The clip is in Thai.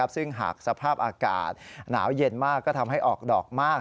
ซึ่งหากสภาพอากาศหนาวเย็นมากก็ทำให้ออกดอกมาก